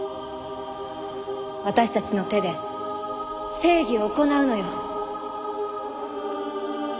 私たちの手で正義を行うのよ！